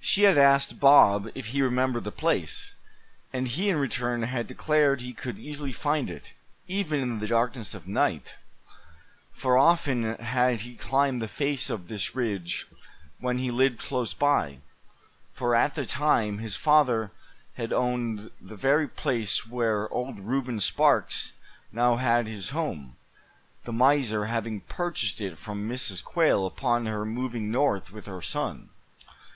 She had asked Bob if he remembered the place; and he in return had declared he could easily find it, even in the darkness of night; for often had he climbed the face of this ridge when he lived close by; for at the time, his father had owned the very place where Old Reuben Sparks now had his home, the miser having purchased it from Mrs. Quail upon her moving North with her son.